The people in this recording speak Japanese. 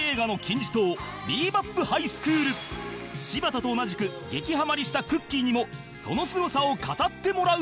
柴田と同じく激ハマりしたくっきー！にもそのすごさを語ってもらう